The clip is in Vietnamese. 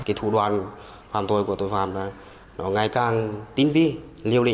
cái thủ đoàn phạm tôi của tôi phạm là nó ngày càng tinh vi liều lị